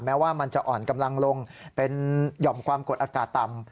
ว่ามันจะอ่อนกำลังลงเป็นหย่อมความกดอากาศต่ำ